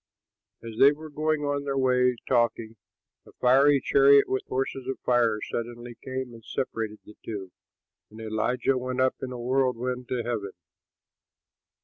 As they were going on their way talking, a fiery chariot with horses of fire suddenly came and separated the two; and Elijah went up in a whirlwind to heaven.